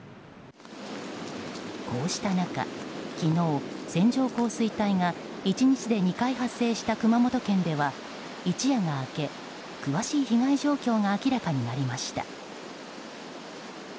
こうした中、昨日線状降水帯が１日で２回発生した熊本県では一夜が明け詳しい被害状況が明らかになりました。